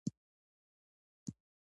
د غزني ولايت اتلس ولسوالۍ دي